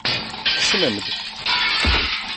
Kecmem-d!